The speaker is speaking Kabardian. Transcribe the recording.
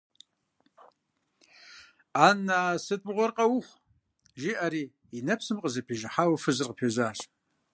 - Ана-а, сыт мыгъуэр къэухъу? - жиӀэри и нэпсым къызэпижыхьауэ фызыр къыпежьащ.